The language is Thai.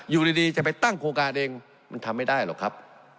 อยู่ดีจะไปตั้งโครงการเองมันทำไม่ได้หรอกครับ